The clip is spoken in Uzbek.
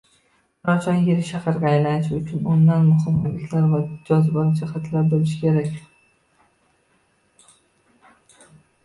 Nurafshon yirik shaharga aylanishi uchun unda muhim obyektlar va jozibali jihatlar boʻlishi kerak.